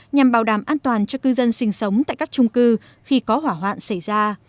nhằm bảo đảm an toàn cho cư dân sinh sống tại các trung cư khi có hỏa hoạn xảy ra